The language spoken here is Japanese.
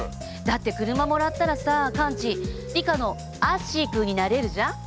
だって車もらったらさカンチリカのアッシーくんになれるじゃん。